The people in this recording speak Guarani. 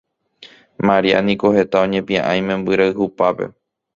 Maria niko heta oñepiaʼã imemby rayhupápe.